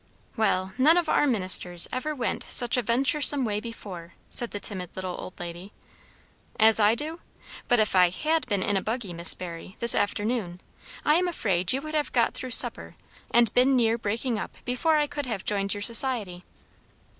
"Well, none of our ministers ever went such a venturesome way before," said the timid little old lady. "As I do? But if I had been in a buggy, Miss Barry, this afternoon, I am afraid you would have got through supper and been near breaking up before I could have joined your society."